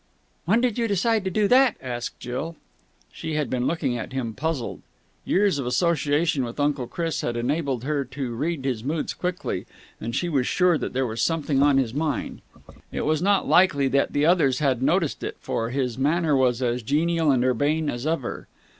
"When did you decide to do that?" asked Jill. She had been looking at him, puzzled. Years of association with Uncle Chris had enabled her to read his moods quickly, and she was sure that there was something on his mind. It was not likely that the others had noticed it, for his manner was as genial and urbane as ever.